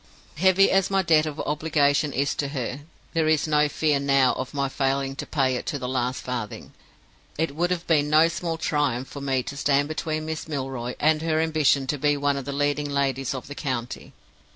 "Heavy as my debt of obligation is to her, there is no fear now of my failing to pay it to the last farthing. It would have been no small triumph for me to stand between Miss Milroy and her ambition to be one of the leading ladies of the county.